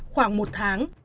khoảng một tháng